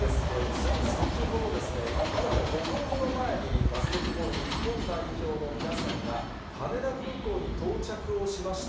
つい先ほどですね、今から５分ほど前に、バスケットボール日本代表の皆さんが、羽田空港に到着をしました。